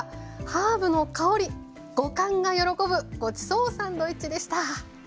ハーブの香り五感が喜ぶごちそうサンドイッチでした。